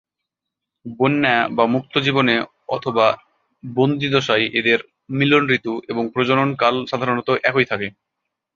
বন্য বা মুক্ত জীবনে অথবা বন্দীদশায় এদের মিলন ঋতু এবং প্রজনন কাল সাধারনত একই থাকে।